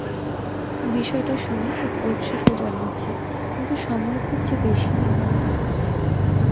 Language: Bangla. বিষয়টা শুনে খুব ঔৎসুক্য জন্মাচ্ছে, কিন্তু সময় খুব যে বেশি– নির্মলা।